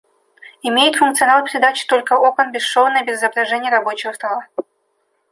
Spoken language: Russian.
Имеет функционал передачи только окон бесшовно, без изображения рабочего стола